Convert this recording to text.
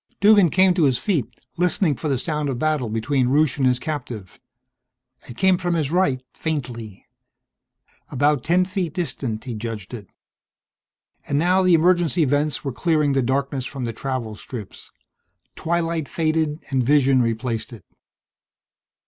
Duggan came to his feet, listening for the sound of battle between Rusche and his captive. It came from his right, faintly. About ten feet distant, he judged it. And now the emergency vents were clearing the darkness from the travel strips. Twilight faded and vision replaced it.